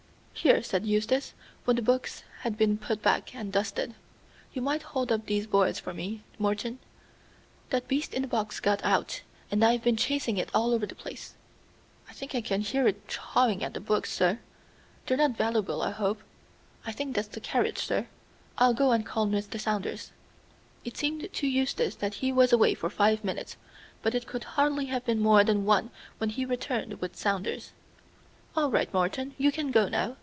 "Here," said Eustace, when the books had been put back and dusted, "you might hold up these boards for me, Morton. That beast in the box got out, and I've been chasing it all over the place." "I think I can hear it chawing at the books, sir. They're not valuable, I hope? I think that's the carriage, sir; I'll go and call Mr. Saunders." It seemed to Eustace that he was away for five minutes, but it could hardly have been more than one when he returned with Saunders. "All right, Morton, you can go now.